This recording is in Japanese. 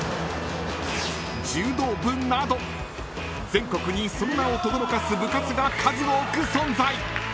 ［全国にその名をとどろかす部活が数多く存在］